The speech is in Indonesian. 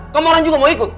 kamu orang juga mau ikut